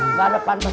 gak ada pantas